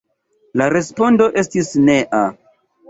La respondo estis nea.